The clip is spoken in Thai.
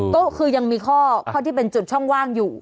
ก็คือยังมีข้อที่เป็นจุดช่องว่างอยู่